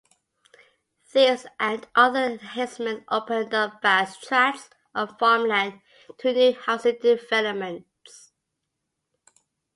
These and other enhancements opened up vast tracts of farmland to new housing developments.